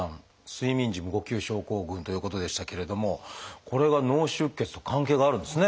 睡眠時無呼吸症候群ということでしたけれどもこれが脳出血と関係があるんですね。